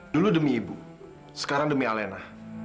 dulu demi ibu sekarang demi alena